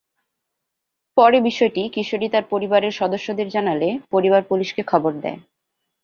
পরে বিষয়টি কিশোরী তার পরিবারের সদস্যদের জানালে পরিবার পুলিশকে খবর দেয়।